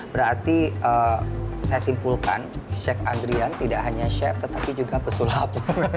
berarti saya simpulkan check andrian tidak hanya chef tetapi juga pesulap